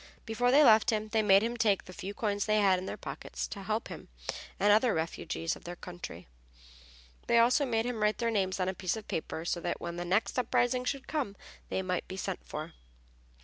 Before they left him they made him take the few coins they had in their pockets, to help him and other refugees of their country. They also made him write their names on a piece of paper so that when the next uprising should come they might be sent for.